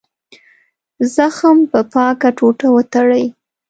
زخم په پاکه ټوټه وتړئ.